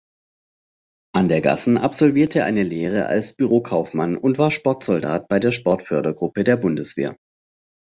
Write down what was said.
Andergassen absolvierte eine Lehre als Bürokaufmann und war Sportsoldat bei der Sportfördergruppe der Bundeswehr.